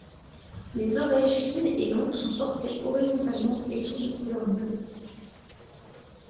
Les oreilles fines et longues sont portées horizontalement et sont de couleur bleue.